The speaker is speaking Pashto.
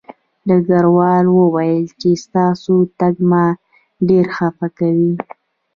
ډګروال وویل چې ستاسو تګ ما ډېر خپه کوي